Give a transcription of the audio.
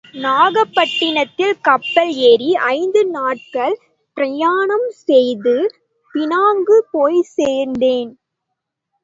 நாகப்பட்டினத்தில் கப்பல் ஏறி ஐந்து நாட்கள் பிரயாணம் செய்து பினாங்கு போய்ச்சேர்ந்தேன்.